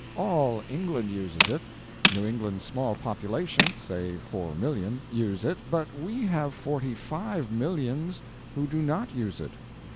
All England uses it, New England's small population say four millions use it, but we have forty five millions who do not use it.